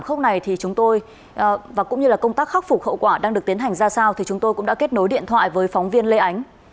vụ tai nạn thảm khốc này và công tác khắc phục hậu quả đang được tiến hành ra sao chúng tôi đã kết nối điện thoại với phóng viên lê ánh